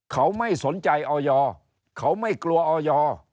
เขาไม่สนใจออยเขาไม่กลัวออย